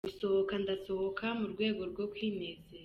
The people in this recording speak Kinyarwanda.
Gusohoka ndasohoka mu rwego rwo kwinezeza.